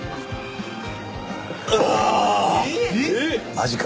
マジか。